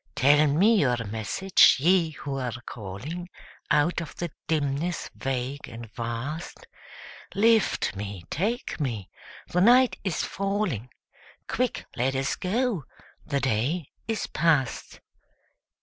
Tell me your message, Ye who are calling Out of the dimness vague and vast; Lift me, take me, the night is falling; Quick, let us go, the day is past.